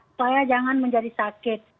upaya jangan menjadi sakit